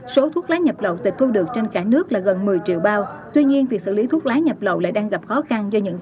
xin chào quý vị và các bạn